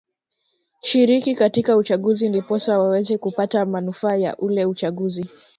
shiriki katika uchaguzi ndiposa waweze kupata manufaa ya ule uchaguzi